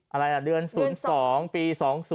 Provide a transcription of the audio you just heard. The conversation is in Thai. อะไรล่ะเดือน๐๒ปี๒๐